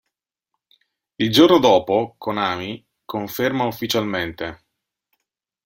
Il giorno dopo, Konami conferma ufficialmente.